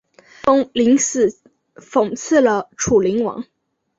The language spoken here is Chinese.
庆封临死讽刺了楚灵王。